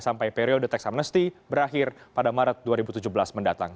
sampai periode tax amnesty berakhir pada maret dua ribu tujuh belas mendatang